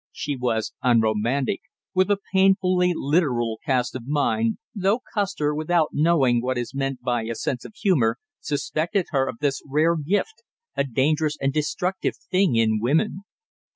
She was unromantic, with a painfully literal cast of mind, though Custer without knowing what is meant by a sense of humor, suspected her of this rare gift, a dangerous and destructive thing in woman.